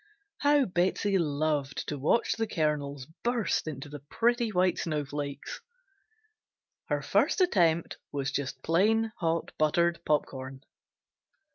How Betsey loved to watch the kernels burst into the pretty white snowflakes! Her first attempt was just plain hot buttered popcorn.